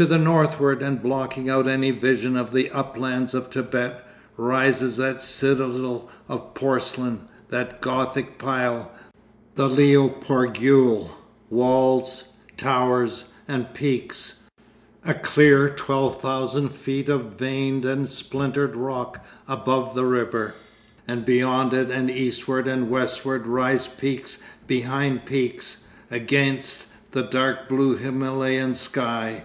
To the northward, and blocking out any vision of the uplands of Thibet, rises that citadel of porcelain, that gothic pile, the Lio Porgyul, walls, towers, and peaks, a clear twelve thousand feet of veined and splintered rock above the river. And beyond it and eastward and westward rise peaks behind peaks, against the dark blue Himalayan sky.